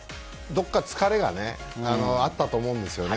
どこか疲れがあったと思うんです。